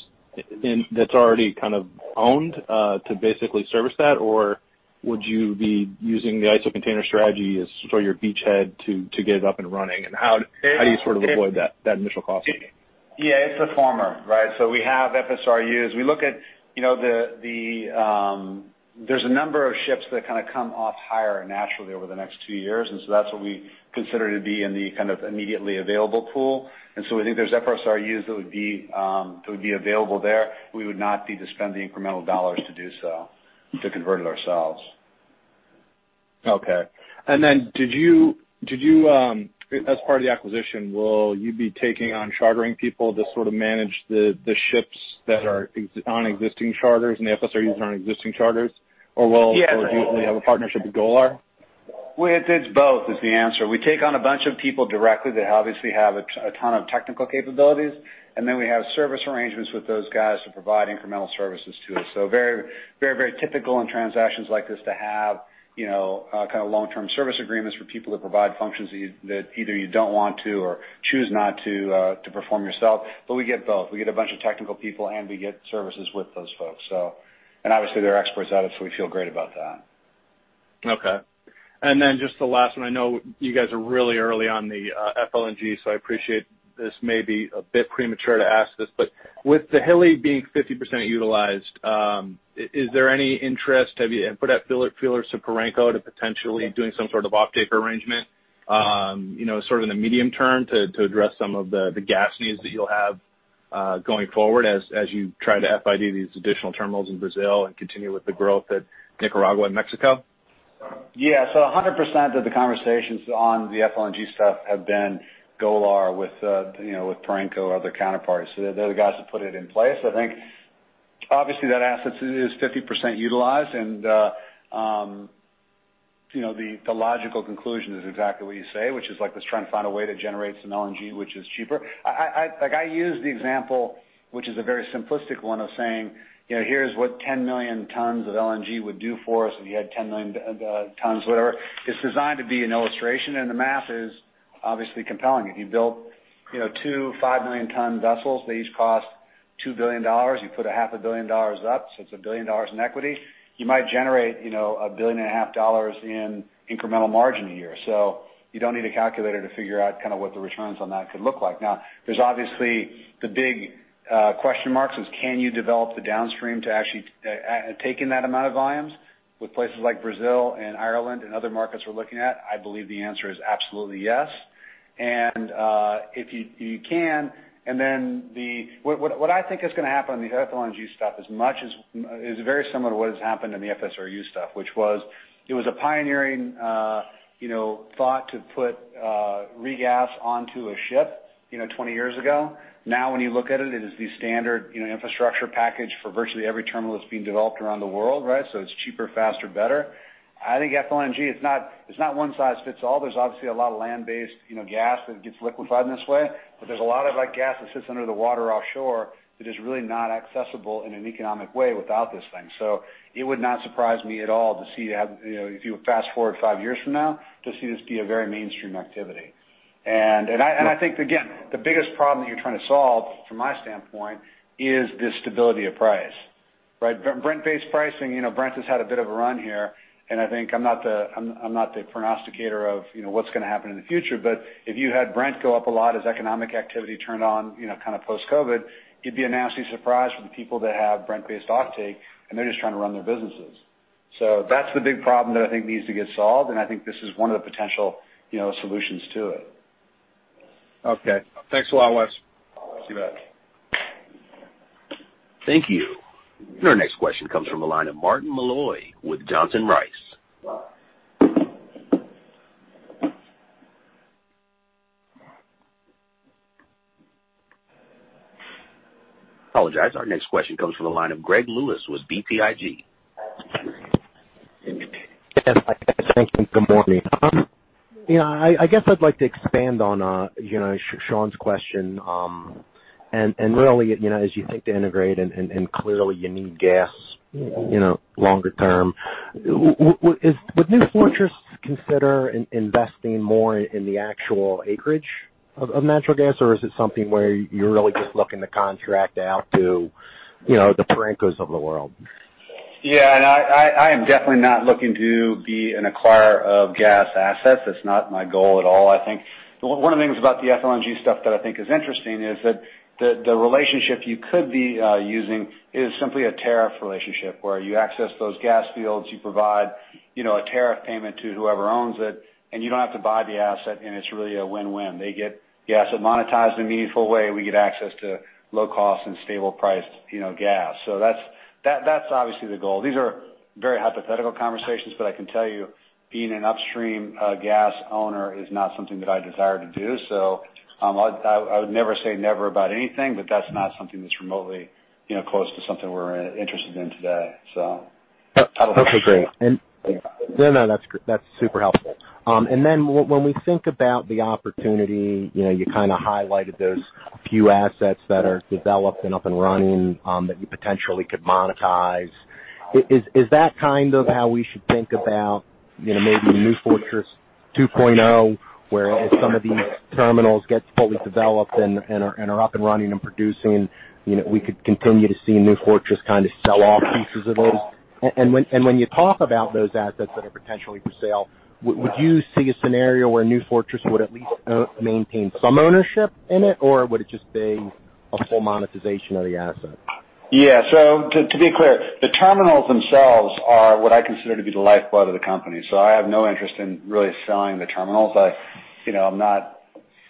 that's already kind of owned to basically service that, or would you be using the ISO container strategy as sort of your beachhead to get it up and running? And how do you sort of avoid that initial cost? Yeah, it's a former, right? So we have FSRUs. We look at the—there's a number of ships that kind of come off hire naturally over the next two years. And so that's what we consider to be in the kind of immediately available pool. And so we think there's FSRUs that would be available there. We would not need to spend the incremental dollars to do so, to convert it ourselves. Okay. And then did you, as part of the acquisition, will you be taking on chartering people to sort of manage the ships that are on existing charters and the FSRUs that are on existing charters? Or will you have a partnership with Golar? It's both is the answer. We take on a bunch of people directly that obviously have a ton of technical capabilities. And then we have service arrangements with those guys to provide incremental services to us. So very, very typical in transactions like this to have kind of long-term service agreements for people to provide functions that either you don't want to or choose not to perform yourself. But we get both. We get a bunch of technical people, and we get services with those folks. And obviously, they're experts at it, so we feel great about that. Okay. And then just the last one. I know you guys are really early on the FLNG, so I appreciate this may be a bit premature to ask this. But with the Hilli being 50% utilized, is there any interest? Have you put out feelers to Perenco to potentially doing some sort of off-take arrangement sort of in the medium term to address some of the gas needs that you'll have going forward as you try to FID these additional terminals in Brazil and continue with the growth at Nicaragua and Mexico? Yeah. So 100% of the conversations on the FLNG stuff have been Golar with Perenco or other counterparts. So they're the guys that put it in place. I think, obviously, that asset is 50% utilized. And the logical conclusion is exactly what you say, which is like they're trying to find a way to generate some LNG, which is cheaper. I use the example, which is a very simplistic one of saying, "Here's what 10 million tons of LNG would do for us if you had 10 million tons," whatever. It's designed to be an illustration. And the math is obviously compelling. If you built two 5 million-ton vessels that each cost $2 billion, you put $500 million up, so it's $1 billion in equity, you might generate $1.5 billion in incremental margin a year. So you don't need a calculator to figure out kind of what the returns on that could look like. Now, there's obviously the big question mark is, can you develop the downstream to actually take in that amount of volumes? With places like Brazil and Ireland and other markets we're looking at, I believe the answer is absolutely yes, and if you can, and then what I think is going to happen on the FLNG stuff is very similar to what has happened in the FSRU stuff, which was a pioneering thought to put regas onto a ship 20 years ago. Now, when you look at it, it is the standard infrastructure package for virtually every terminal that's being developed around the world, right? So it's cheaper, faster, better. I think FLNG, it's not one size fits all. There's obviously a lot of land-based gas that gets liquefied in this way. But there's a lot of gas that sits under the water offshore that is really not accessible in an economic way without this thing. So it would not surprise me at all to see if you fast forward five years from now to see this be a very mainstream activity. And I think, again, the biggest problem that you're trying to solve, from my standpoint, is this stability of price, right? Brent-based pricing, Brent has had a bit of a run here. And I think I'm not the prognosticator of what's going to happen in the future. But if you had Brent go up a lot as economic activity turned on kind of post-COVID, it'd be a nasty surprise for the people that have Brent-based offtake, and they're just trying to run their businesses. So that's the big problem that I think needs to get solved. I think this is one of the potential solutions to it. Okay. Thanks a lot, Wes. See you back. Thank you. And our next question comes from the line of Martin Malloy with Johnson Rice. Apologies. Our next question comes from the line of Greg Lewis with BTIG. Thank you. Good morning. I guess I'd like to expand on Sean's question. And really, as you think to integrate, and clearly you need gas longer term, would New Fortress consider investing more in the actual acreage of natural gas, or is it something where you're really just looking to contract out to the Perencos of the world? Yeah. And I am definitely not looking to be an acquirer of gas assets. That's not my goal at all, I think. One of the things about the FLNG stuff that I think is interesting is that the relationship you could be using is simply a tariff relationship where you access those gas fields, you provide a tariff payment to whoever owns it, and you don't have to buy the asset, and it's really a win-win. They get gas that monetized in a meaningful way. We get access to low-cost and stable-priced gas. So that's obviously the goal. These are very hypothetical conversations, but I can tell you, being an upstream gas owner is not something that I desire to do. So I would never say never about anything, but that's not something that's remotely close to something we're interested in today. So that'll help. Okay. Great. No, no, that's super helpful. And then when we think about the opportunity, you kind of highlighted those few assets that are developed and up and running that you potentially could monetize. Is that kind of how we should think about maybe New Fortress 2.0, whereas some of these terminals get fully developed and are up and running and producing, we could continue to see New Fortress kind of sell off pieces of those? And when you talk about those assets that are potentially for sale, would you see a scenario where New Fortress would at least maintain some ownership in it, or would it just be a full monetization of the asset? Yeah. So to be clear, the terminals themselves are what I consider to be the lifeblood of the company. So I have no interest in really selling the terminals.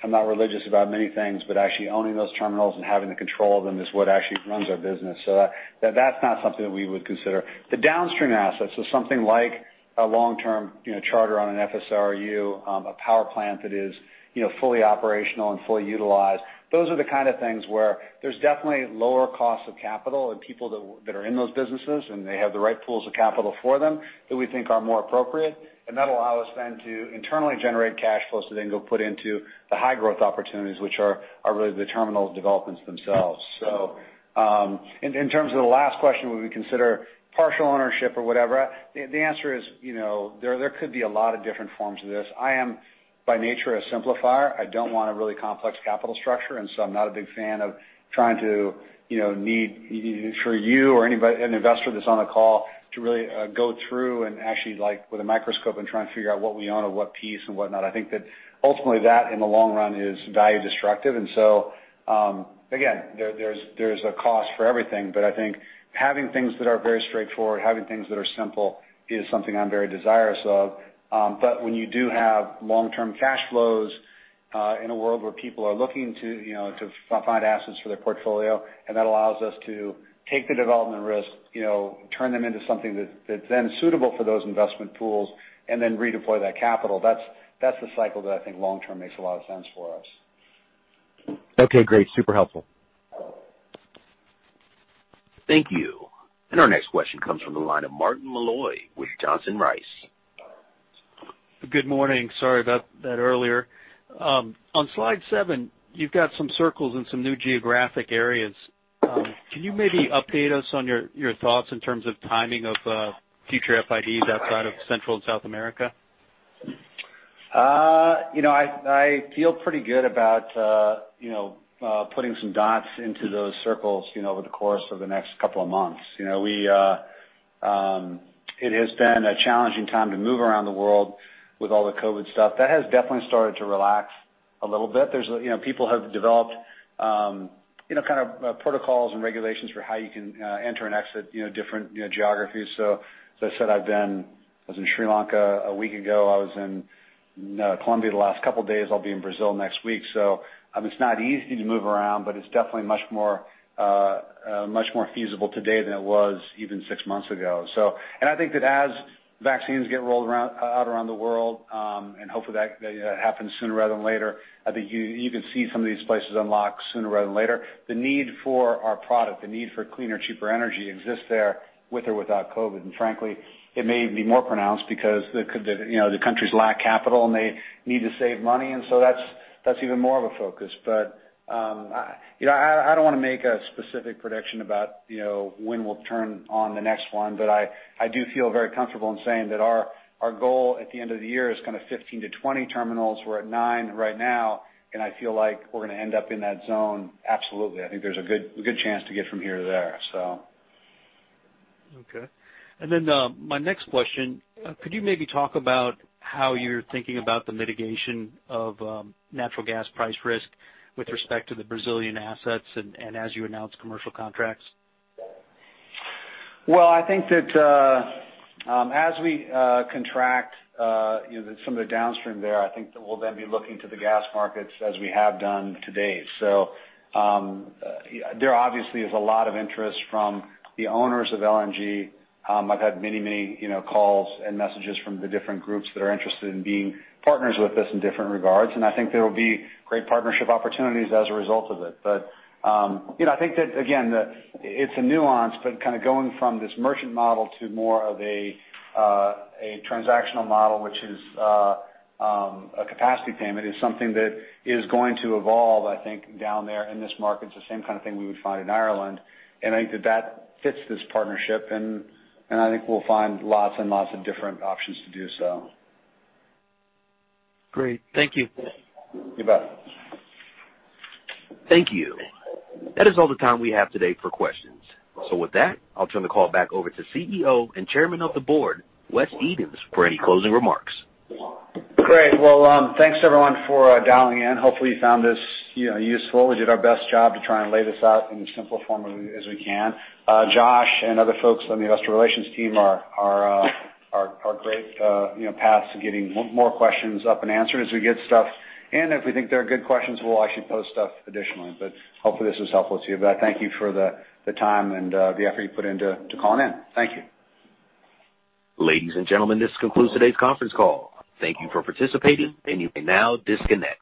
I'm not religious about many things, but actually owning those terminals and having the control of them is what actually runs our business. So that's not something that we would consider. The downstream assets, so something like a long-term charter on an FSRU, a power plant that is fully operational and fully utilized, those are the kind of things where there's definitely lower costs of capital and people that are in those businesses, and they have the right pools of capital for them that we think are more appropriate. And that'll allow us th en to internally generate cash flows to then go put into the high-growth opportunities, which are really the terminals' developments themselves. So in terms of the last question, would we consider partial ownership or whatever? The answer is there could be a lot of different forms of this. I am, by nature, a simplifier. I don't want a really complex capital structure, and so I'm not a big fan of trying to need for you or an investor that's on the call to really go through and actually with a microscope and try and figure out what we own or what piece and whatnot. I think that ultimately, that in the long run is value-destructive, and so, again, there's a cost for everything, but I think having things that are very straightforward, having things that are simple is something I'm very desirous of, but when you do have long-term cash flows in a world where people are looking to find assets for their portfolio, and that allows us to take the development risk, turn them into something that's then suitable for those investment pools, and then redeploy that capital, that's the cycle that I think long-term makes a lot of sense for us. Okay. Great. Super helpful. Thank you. And our next question comes from the line of Martin Malloy with Johnson Rice. Good morning. Sorry about that earlier. On slide seven, you've got some circles and some new geographic areas. Can you maybe update us on your thoughts in terms of timing of future FIDs outside of Central and South America? I feel pretty good about putting some dots into those circles over the course of the next couple of months. It has been a challenging time to move around the world with all the COVID stuff. That has definitely started to relax a little bit. People have developed kind of protocols and regulations for how you can enter and exit different geographies. So as I said, I was in Sri Lanka a week ago. I was in Colombia the last couple of days. I'll be in Brazil next week. So it's not easy to move around, but it's definitely much more feasible today than it was even six months ago. And I think that as vaccines get rolled out around the world, and hopefully that happens sooner rather than later, I think you can see some of these places unlock sooner rather than later. The need for our product, the need for cleaner, cheaper energy exists there with or without COVID. And frankly, it may be more pronounced because the countries lack capital and they need to save money. And so that's even more of a focus. But I don't want to make a specific prediction about when we'll turn on the next one. But I do feel very comfortable in saying that our goal at the end of the year is kind of 15-20 terminals. We're at nine right now. I feel like we're going to end up in that zone. Absolutely. I think there's a good chance to get from here to there, so. Okay. And then my next question: could you maybe talk about how you're thinking about the mitigation of natural gas price risk with respect to the Brazilian assets and as you announce commercial contracts? Well, I think that as we contract some of the downstream there, I think that we'll then be looking to the gas markets as we have done today. So there obviously is a lot of interest from the owners of LNG. I've had many, many calls and messages from the different groups that are interested in being partners with us in different regards. And I think there will be great partnership opportunities as a result of it. But I think that, again, it's a nuance, but kind of going from this merchant model to more of a transactional model, which is a capacity payment, is something that is going to evolve, I think, down there in this market. It's the same kind of thing we would find in Ireland. And I think that that fits this partnership. And I think we'll find lots and lots of different options to do so. Great. Thank you. You bet. Thank you. That is all the time we have today for questions. So with that, I'll turn the call back over to CEO and Chairman of the Board, Wes Edens, for any closing remarks. Great. Well, thanks everyone for dialing in. Hopefully, you found this useful. We did our best job to try and lay this out in as simple a form as we can. Josh and other folks on the investor relations team are great paths to getting more questions up and answered as we get stuff in, and if we think there are good questions, we'll actually post stuff additionally, but hopefully, this was helpful to you, but I thank you for the time and the effort you put into calling in. Thank you. Ladies and gentlemen, this concludes today's conference call. Thank you for participating, and you may now disconnect.